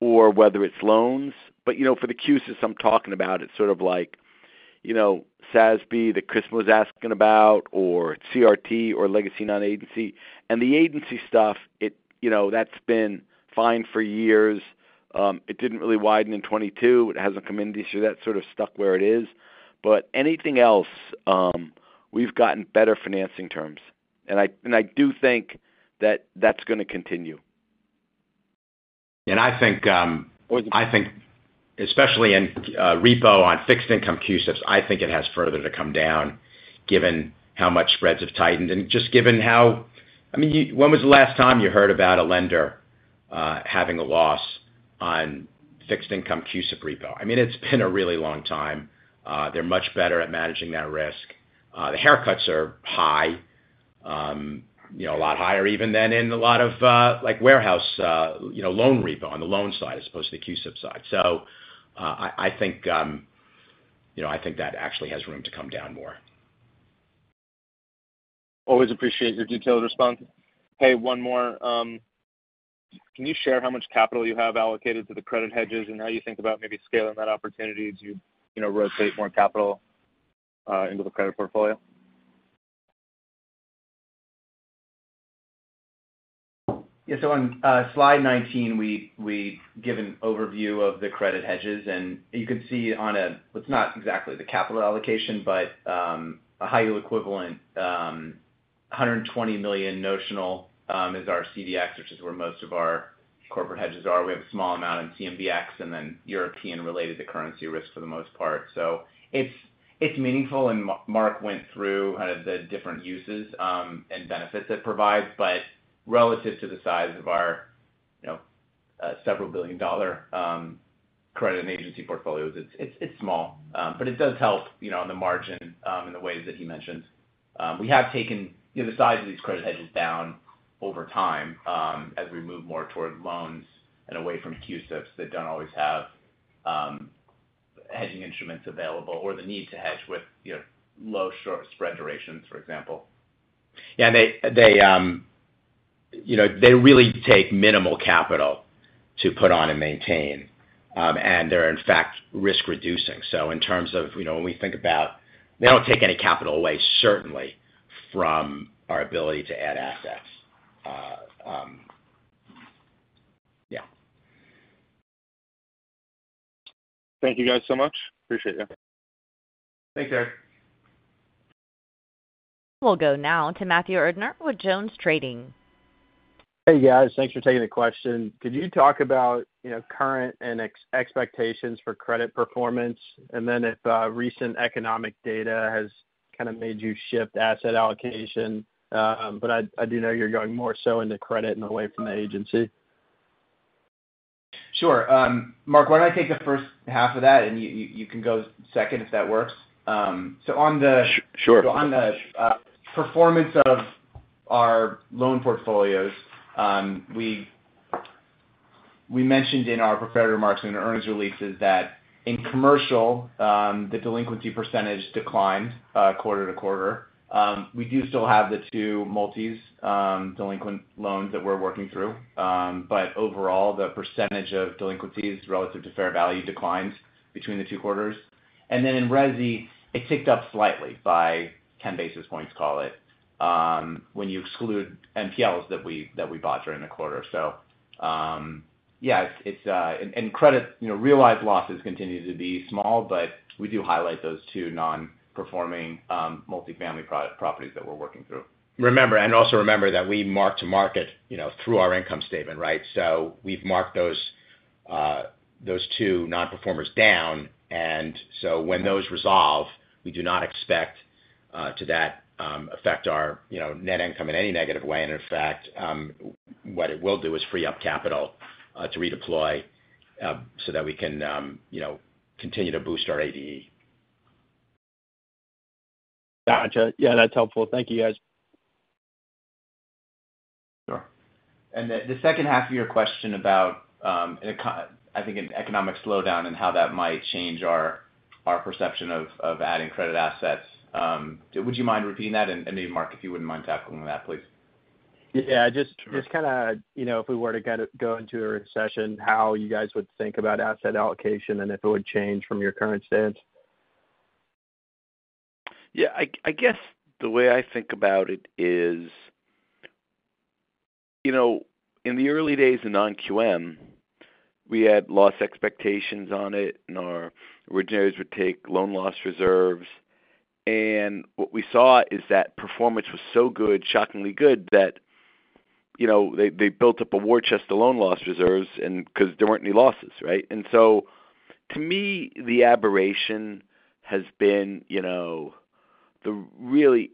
or whether it's loans. But, you know, for the CUSIPs, I'm talking about, it's sort of like, you know, SASB, that Chris was asking about, or CRT, or legacy non-agency. And the agency stuff, it, you know, that's been fine for years. It didn't really widen in 2022. It hasn't come in this year. That's sort of stuck where it is. But anything else, we've gotten better financing terms, and I, and I do think that that's gonna continue. I think especially in repo on fixed income CUSIPs, I think it has further to come down, given how much spreads have tightened and just given how—I mean, you—when was the last time you heard about a lender having a loss on fixed income CUSIP repo? I mean, it's been a really long time. They're much better at managing that risk. The haircuts are high, you know, a lot higher even than in a lot of like warehouse, you know, loan repo on the loan side as opposed to the CUSIP side. So, I, I think, you know, I think that actually has room to come down more. Always appreciate your detailed response. Hey, one more. Can you share how much capital you have allocated to the credit hedges and how you think about maybe scaling that opportunity to, you know, rotate more capital into the credit portfolio? Yeah, so on slide 19, we give an overview of the credit hedges, and you can see on a-- what's not exactly the capital allocation, but a high yield equivalent, $120 million notional is our CDX, which is where most of our corporate hedges are. We have a small amount in CMBX and then European related to currency risk for the most part. So it's meaningful, and Mark went through kind of the different uses and benefits it provides, but relative to the size of our, you know, several billion-dollar credit and agency portfolios, it's small, but it does help, you know, on the margin, in the ways that he mentioned. We have taken, you know, the size of these credit hedges down over time, as we move more toward loans and away from CUSIPs that don't always have hedging instruments available or the need to hedge with, you know, low short spread durations, for example. Yeah, they, you know, they really take minimal capital to put on and maintain, and they're in fact, risk reducing. So in terms of, you know, when we think about... They don't take any capital away, certainly, from our ability to add assets. Yeah. Thank you, guys, so much. Appreciate you. Thanks, Eric. We'll go now to Matthew Erdner with JonesTrading. Hey, guys. Thanks for taking the question. Could you talk about, you know, current and expectations for credit performance, and then if recent economic data has kind of made you shift asset allocation? But I do know you're going more so into credit and away from the agency.... Sure. Mark, why don't I take the first half of that, and you can go second, if that works? So on the- Su- sure. So on the performance of our loan portfolios, we, we mentioned in our prepared remarks and earnings releases that in commercial, the delinquency percentage declined, quarter-over-quarter. We do still have the two multis, delinquent loans that we're working through. But overall, the percentage of delinquencies relative to fair value declines between the two quarters. And then in resi, it ticked up slightly by 10 basis points, call it, when you exclude NPLs that we, that we bought during the quarter. So, yeah, it's. And credit, you know, realized losses continue to be small, but we do highlight those two non-performing, multifamily properties that we're working through. Remember, and also remember that we mark to market, you know, through our income statement, right? So we've marked those, those two non-performers down, and so when those resolve, we do not expect to that affect our, you know, net income in any negative way. And in fact, what it will do is free up capital, to redeploy, so that we can, you know, continue to boost our ADE. Gotcha. Yeah, that's helpful. Thank you, guys. Sure. And the second half of your question about an economic slowdown and how that might change our perception of adding credit assets. Would you mind repeating that? And maybe, Mark, if you wouldn't mind tackling that, please. Yeah, just- Sure. Just kind of, you know, if we were to kind of go into a recession, how you guys would think about asset allocation and if it would change from your current stance? Yeah, I guess the way I think about it is, you know, in the early days of non-QM, we had loss expectations on it, and our originators would take loan loss reserves. And what we saw is that performance was so good, shockingly good, that, you know, they built up a war chest of loan loss reserves and, 'cause there weren't any losses, right? And so, to me, the aberration has been, you know, the really,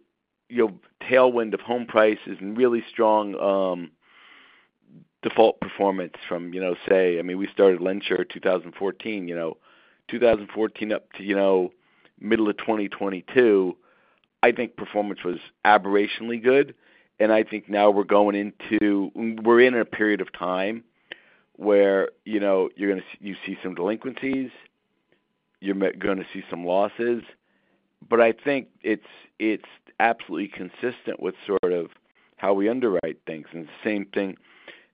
you know, tailwind of home prices and really strong default performance from, you know, say, I mean, we started LendSure in 2014, you know. 2014 up to, you know, middle of 2022, I think performance was aberrationally good, and I think now we're going into, we're in a period of time where, you know, you're gonna see some delinquencies, you're gonna see some losses. But I think it's absolutely consistent with sort of how we underwrite things, and the same thing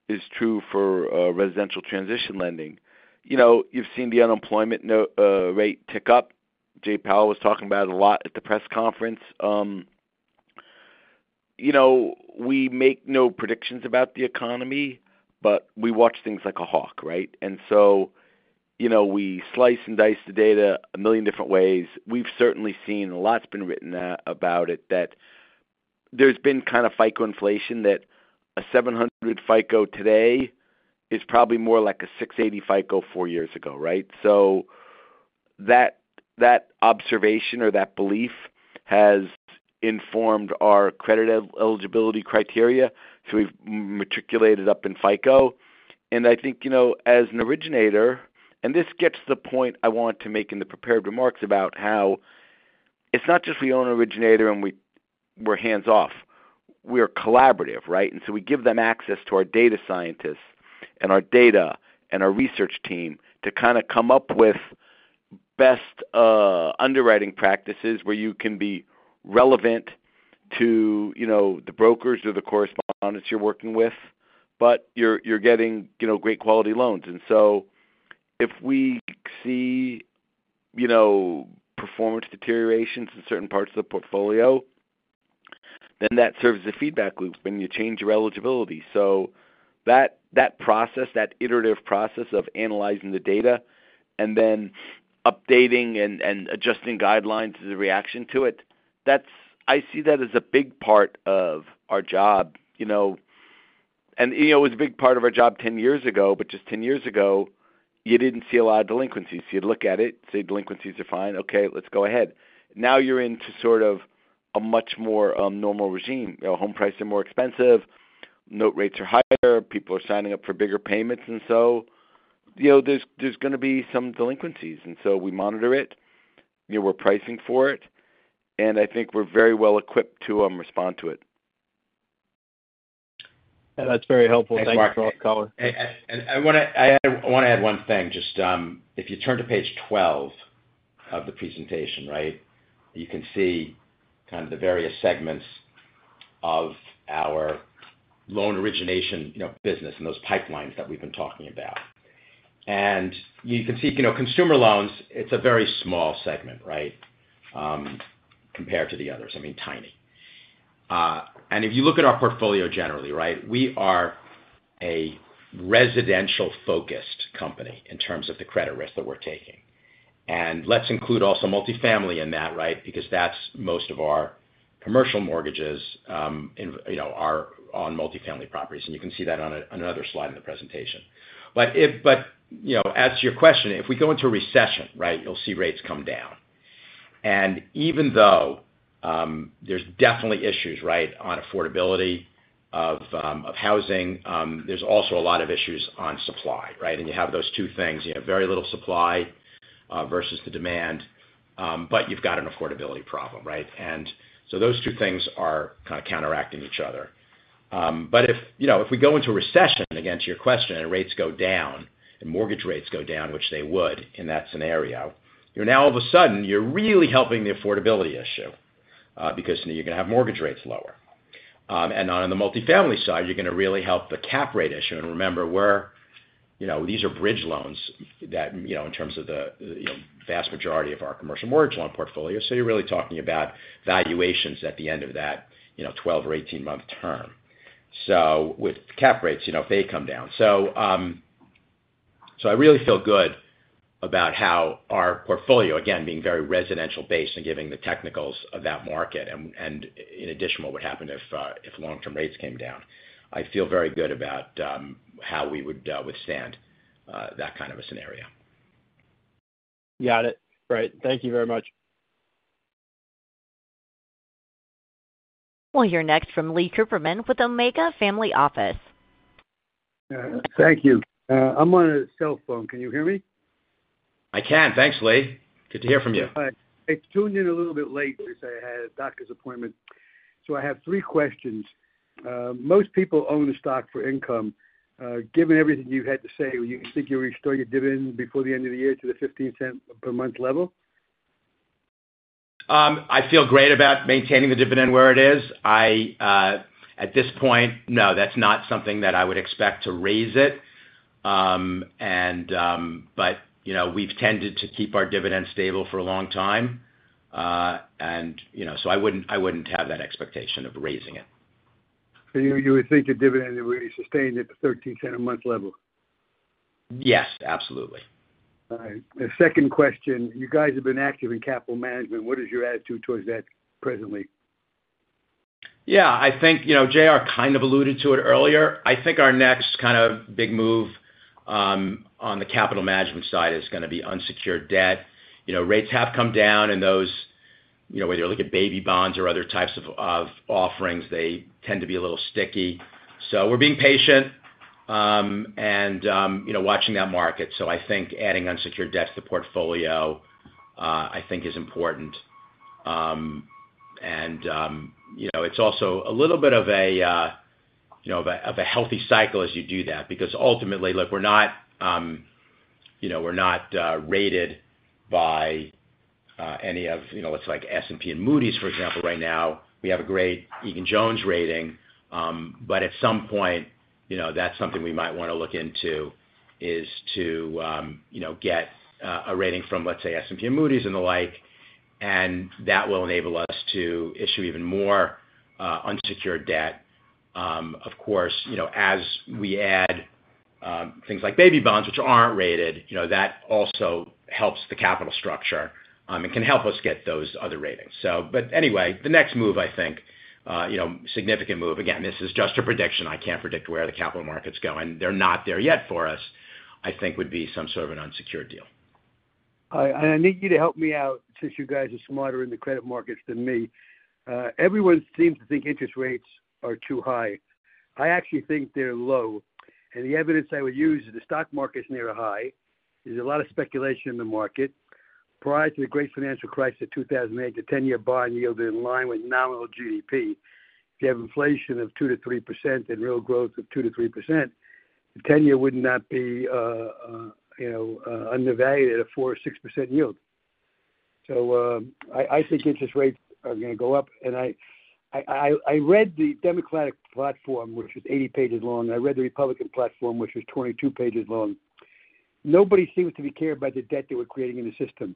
is true for residential transition lending. You know, you've seen the unemployment rate tick up. Jay Powell was talking about it a lot at the press conference. You know, we make no predictions about the economy, but we watch things like a hawk, right? And so, you know, we slice and dice the data a million different ways. We've certainly seen, and a lot's been written about it, that there's been kind of FICO inflation, that a 700 FICO today is probably more like a 680 FICO four years ago, right? So that observation or that belief has informed our credit eligibility criteria, so we've matriculated up in FICO. And I think, you know, as an originator, and this gets to the point I want to make in the prepared remarks about how it's not just we own originator and we're hands-off. We are collaborative, right? And so we give them access to our data scientists and our data and our research team to kind of come up with best underwriting practices, where you can be relevant to, you know, the brokers or the correspondents you're working with, but you're getting, you know, great quality loans. And so if we see, you know, performance deteriorations in certain parts of the portfolio, then that serves as a feedback loop, and you change your eligibility. So that iterative process of analyzing the data and then updating and adjusting guidelines as a reaction to it, that's. I see that as a big part of our job, you know. And, you know, it was a big part of our job 10 years ago, but just 10 years ago, you didn't see a lot of delinquencies. You'd look at it, say, "Delinquencies are fine. Okay, let's go ahead." Now you're into sort of a much more normal regime. You know, home prices are more expensive, note rates are higher, people are signing up for bigger payments, and so, you know, there's gonna be some delinquencies. And so we monitor it, you know, we're pricing for it, and I think we're very well equipped to respond to it. Yeah, that's very helpful. Thanks, Mark. Thanks for calling. And I wanna add one thing. Just, if you turn to page 12 of the presentation, right, you can see kind of the various segments of our loan origination, you know, business and those pipelines that we've been talking about. And you can see, you know, consumer loans, it's a very small segment, right, compared to the others. I mean, tiny. And if you look at our portfolio generally, right? We are a residential-focused company in terms of the credit risk that we're taking. And let's include also multifamily in that, right? Because that's most of our commercial mortgages, in, you know, are on multifamily properties, and you can see that on another slide in the presentation. But, you know, as to your question, if we go into a recession, right, you'll see rates come down.... And even though, there's definitely issues, right, on affordability of housing, there's also a lot of issues on supply, right? And you have those two things, you have very little supply, versus the demand, but you've got an affordability problem, right? And so those two things are kind of counteracting each other. But if, you know, if we go into a recession, again, to your question, and rates go down, and mortgage rates go down, which they would in that scenario, you're now all of a sudden, you're really helping the affordability issue, because then you're gonna have mortgage rates lower. And on the multifamily side, you're gonna really help the cap rate issue. And remember, we're, you know, these are bridge loans that, you know, in terms of the you know, vast majority of our commercial mortgage loan portfolio. So you're really talking about valuations at the end of that, you know, 12- or 18-month term. So with cap rates, you know, if they come down. So, so I really feel good about how our portfolio, again, being very residential based and giving the technicals of that market, and in addition, what would happen if long-term rates came down. I feel very good about how we would withstand that kind of a scenario. Got it. Great. Thank you very much. We'll hear next from Lee Cooperman with Omega Family Office. Thank you. I'm on a cell phone. Can you hear me? I can. Thanks, Lee. Good to hear from you. Hi. I tuned in a little bit late because I had a doctor's appointment. So I have three questions. Most people own the stock for income. Given everything you've had to say, do you think you'll restore your dividend before the end of the year to the $0.15 per month level? I feel great about maintaining the dividend where it is. I, at this point, no, that's not something that I would expect to raise it. But, you know, we've tended to keep our dividend stable for a long time. You know, so I wouldn't, I wouldn't have that expectation of raising it. You would think the dividend would be sustained at the $0.13 a month level? Yes, absolutely. All right. The second question: You guys have been active in capital management. What is your attitude towards that presently? Yeah, I think, you know, J.R. kind of alluded to it earlier. I think our next kind of big move on the capital management side is gonna be unsecured debt. You know, rates have come down, and those, you know, whether you're looking at baby bonds or other types of offerings, they tend to be a little sticky. So we're being patient and, you know, watching that market. So I think adding unsecured debt to the portfolio, I think is important. And, you know, it's also a little bit of a healthy cycle as you do that, because ultimately, look, we're not, you know, we're not rated by any of, you know, let's like S&P and Moody's, for example, right now. We have a great Egan-Jones rating. But at some point, you know, that's something we might wanna look into, is to, you know, get a rating from, let's say, S&P and Moody's and the like, and that will enable us to issue even more unsecured debt. Of course, you know, as we add things like baby bonds, which aren't rated, you know, that also helps the capital structure, and can help us get those other ratings. So, but anyway, the next move, I think, you know, significant move, again, this is just a prediction, I can't predict where the capital markets go, and they're not there yet for us, I think would be some sort of an unsecured deal. I and I need you to help me out, since you guys are smarter in the credit markets than me. Everyone seems to think interest rates are too high. I actually think they're low, and the evidence I would use is the stock market's near a high. There's a lot of speculation in the market. Prior to the Great Financial Crisis in 2008, the ten-year bond yield was in line with nominal GDP. If you have inflation of 2%-3% and real growth of 2%-3%, the ten-year would not be, you know, undervalued at a 4% or 6% yield. So, I think interest rates are gonna go up, and I read the Democratic platform, which was 80 pages long. I read the Republican platform, which was 22 pages long. Nobody seems to care about the debt that we're creating in the system.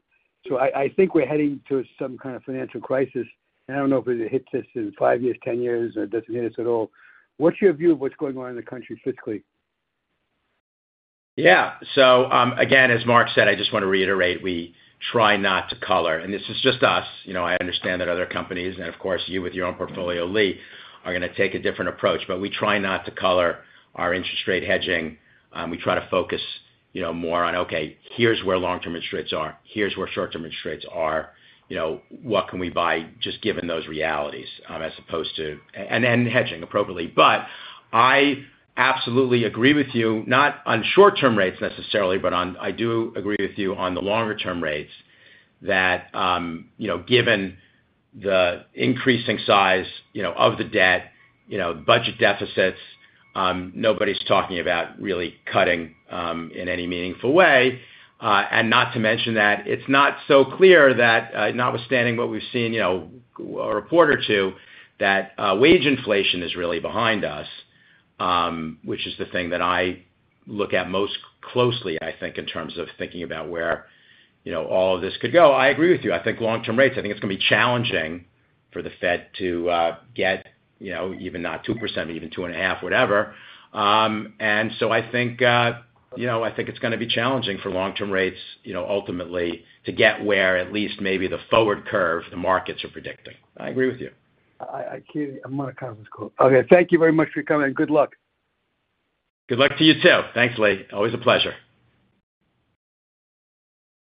So I think we're heading to some kind of financial crisis, and I don't know if it hits us in 5 years, 10 years, or it doesn't hit us at all. What's your view of what's going on in the country fiscally? Yeah. So, again, as Mark said, I just wanna reiterate, we try not to color... And this is just us. You know, I understand that other companies and, of course, you with your own portfolio, Lee, are gonna take a different approach. But we try not to color our interest rate hedging. We try to focus, you know, more on, okay, here's where long-term interest rates are, here's where short-term interest rates are. You know, what can we buy just given those realities, as opposed to... A- and then hedging appropriately. But I absolutely agree with you, not on short-term rates necessarily, but on-- I do agree with you on the longer-term rates. That, you know, given the increasing size, you know, of the debt, you know, budget deficits, nobody's talking about really cutting, in any meaningful way. And not to mention that it's not so clear that, notwithstanding what we've seen, you know, a quarter or two, that wage inflation is really behind us, which is the thing that I look at most closely, I think, in terms of thinking about where, you know, all of this could go. I agree with you. I think long-term rates, I think it's gonna be challenging for the Fed to get, you know, even not 2%, but even 2.5, whatever. And so I think, you know, I think it's gonna be challenging for long-term rates, you know, ultimately to get where at least maybe the forward curve, the markets are predicting. I agree with you. I clearly, I'm on a conference call. Okay, thank you very much for coming, and good luck. Good luck to you, too. Thanks, Lee. Always a pleasure.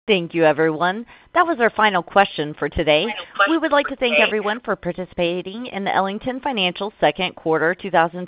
Thank you, everyone. That was our final question for today. We would like to thank everyone for participating in the Ellington Financial Second Quarter 2024-